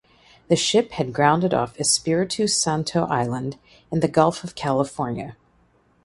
The ship had grounded off Espiritu Santo Island in the Gulf of California.